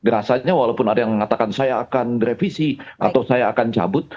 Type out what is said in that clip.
rasanya walaupun ada yang mengatakan saya akan revisi atau saya akan cabut